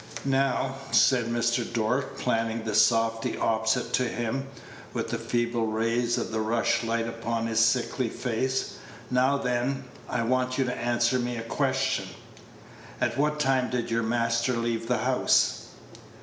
"Now," said Mr. Dork, planting the softy opposite to him, with the feeble rays of the rush light upon his sickly face, "now then, I want you to answer me a question. At what time did your master leave the house?"